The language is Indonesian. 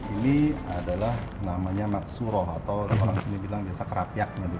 ini adalah namanya naksuroh atau orang sini bilang kerapyak